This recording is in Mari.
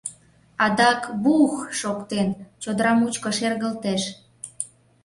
Адак, бу-ух шоктен, чодыра мучко шергылтеш.